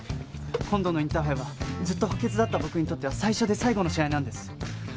今度のインターハイはずっと補欠だった僕にとっては最初で最後の試合なんです。